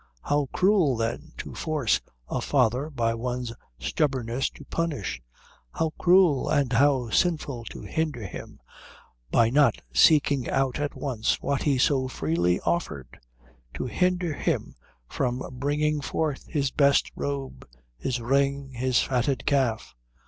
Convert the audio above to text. How cruel, then, to force a father by one's stubbornness to punish; how cruel and how sinful to hinder him, by not seeking out at once what he so freely offered, to hinder him from bringing forth his best robe, his ring, his fatted calf.